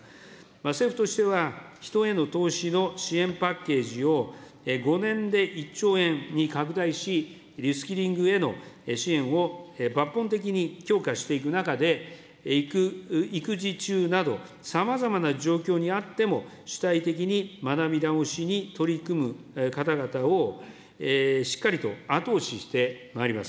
政府としては、人への投資の支援パッケージを、５年で１兆円に拡大し、リスキリングへの支援を抜本的に強化していく中で、育児中など、さまざまな状況にあっても、主体的に学び直しに取り組む方々をしっかりと後押ししてまいります。